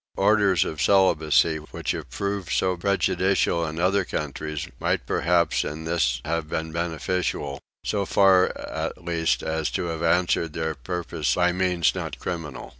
Orders of celibacy which have proved so prejudicial in other countries might perhaps in this have been beneficial; so far at least as to have answered their purpose by means not criminal.